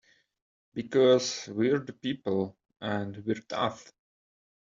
Because we're the people and we're tough!